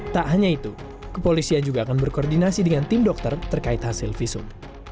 tak hanya itu kepolisian juga akan berkoordinasi dengan tim dokter terkait hasil visum